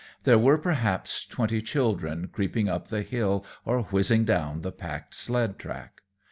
There were perhaps twenty children creeping up the hill or whizzing down the packed sled track.